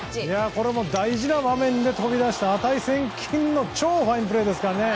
これも大事な場面で飛び出した、値千金の超ファインプレーですから。